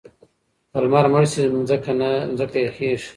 که لمر مړ شي ځمکه یخیږي.